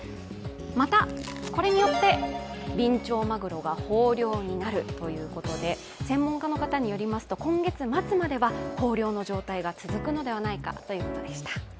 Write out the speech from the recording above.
また、これによって、ビンチョウマグロが豊漁になるということで、専門家の方によりますと今月末までは豊漁の状態が続くのではないかということでした。